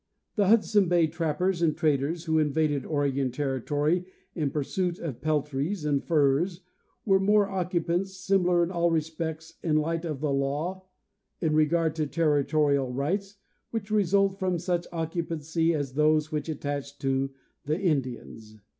The Hudson bay trappers and traders, who invaded Oregon terri tory in pursuit of peltries and furs, were mere occupants, similar in all respects in the light of the law in regard to territorial rights which result from such occupancy as those which attach to the Indians.